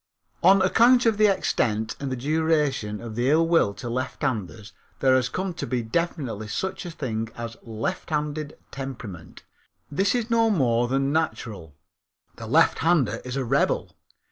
On account of the extent and the duration of the ill will to lefthanders there has come to be definitely such a thing as a lefthanded temperament. This is no more than natural. The lefthander is a rebel.